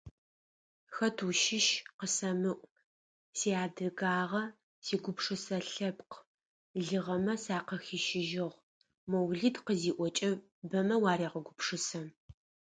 «Хэт ущыщ? къысэмыӀу! Сиадыгагъэ, Сигупшысэ Лъэпкъ лыгъэмэ сакъыхищыжьыгъ…»,- Моулид къызиӏокӏэ, бэмэ уарегъэгупшысэ.